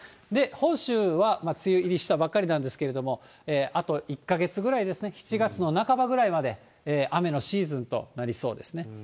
本州は梅雨入りしたばっかりなんですが、あと１か月ぐらいですね、７月の半ばぐらいまで雨のシーズンとなりそうですね。